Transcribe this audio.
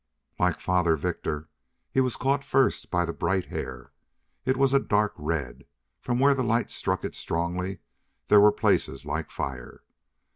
Like Father Victor, he was caught first by the bright hair. It was a dark red, and where the light struck it strongly there were places like fire.